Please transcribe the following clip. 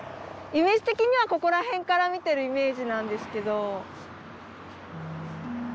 イメージ的にはここら辺から見てるイメージなんですけど。